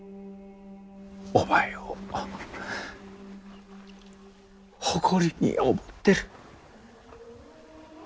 お前を誇りに思ってる。